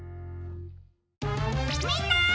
みんな！